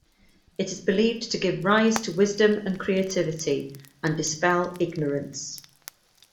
It is believed to give rise to wisdom and creativity, and dispel ignorance.